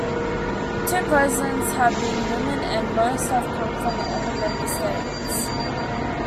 Two presidents have been women and most have come from the older member states.